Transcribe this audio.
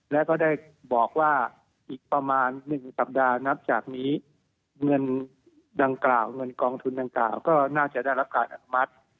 และก็ได้บอกว่าอีกประมาณ๑สัปดาห์นับจากนี้เงินกองทุนดังกล่าวก็น่าจะได้รับการอัตมาศ